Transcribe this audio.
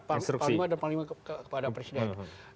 instruksi pada presiden